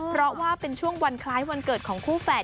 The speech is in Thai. เพราะว่าเป็นช่วงวันคล้ายวันเกิดของคู่แฝด